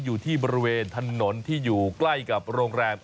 อยู่ที่บริเวณถนนที่อยู่ใกล้กับโรงแรม